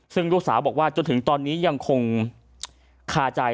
ซึ่งลูกสาวบอกว่าจนถึงตอนนี้ยังคงคาใจ